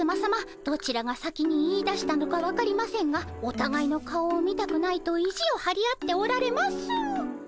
どちらが先に言いだしたのか分かりませんがおたがいの顔を見たくないと意地をはり合っておられます。